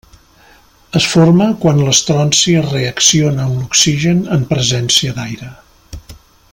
Es forma quan l'estronci reacciona amb l'oxigen en presència d'aire.